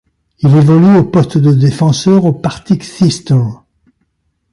Il évolue au poste de défenseur au Partick Thistle.